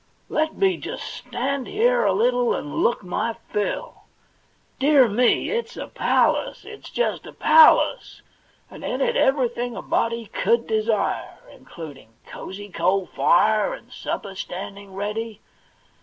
* Let me just stand here a little and look my fill ! Dear me, it's a palace ; it's just a palace ! And in it everything a body could desire, in cluding cozy coal fire and supper standing ready.